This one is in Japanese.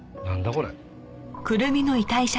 これ。